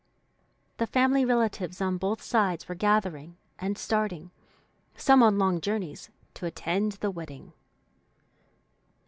The family relatives on both sides were gathering and starting, some on long journeys, to attend the wedding.